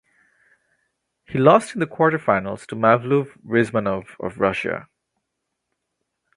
He lost in the quarterfinals to Mavlud Rizmanov of Russia.